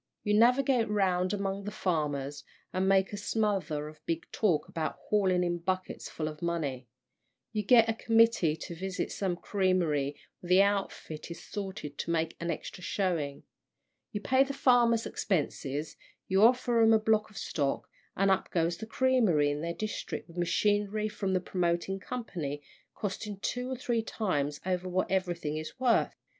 You navigate round among the farmers, and make a smother of big talk about hauling in buckets full of money. You get a committee to visit some creamery where the outfit is salted to make an extra showing. You pay the farmers' expenses, you offer 'em a block of stock, and up goes the creamery in their district with machinery from the promoting company, costing two or three times over what everything is worth.